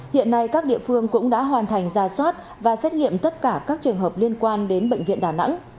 hiện nay các địa phương cũng đã hoàn thành ra soát và xét nghiệm tất cả các trường hợp liên quan đến bệnh viện đà nẵng